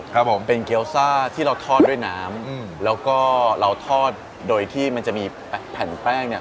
ครับผมเป็นเกี้ยวซ่าที่เราทอดด้วยน้ำอืมแล้วก็เราทอดโดยที่มันจะมีแผ่นแป้งเนี่ย